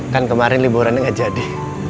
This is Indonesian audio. kan kemarin liburannya nggak jadi